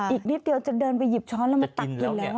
อีกนิดเดียวจะเดินไปหยิบช้อนแล้วมาตักกินแล้ว